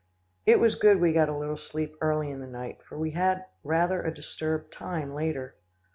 It was good we got a little sleep early in the night, for we had rather a disturbed time later.